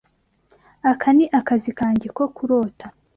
Aka ni akazi kanjye ko kurota.